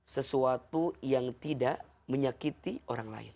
sesuatu yang tidak menyakiti orang lain